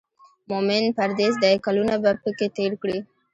مومن پردېس دی کلونه به پکې تېر کړي.